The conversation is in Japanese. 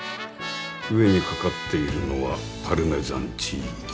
上にかかっているのはパルメザンチーズ？